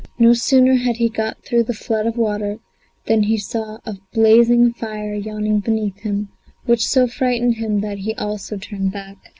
No sooner had he got through the flood of water than he saw a blazing fire yawning beneath him, which so frightened him that he also turned back.